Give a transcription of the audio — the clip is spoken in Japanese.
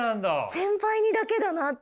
先輩にだけだなって。